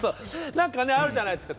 何かねあるじゃないですか。